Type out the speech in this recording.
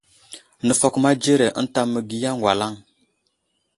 Nəfakoma dzire ənta məgiya ŋgalaŋ.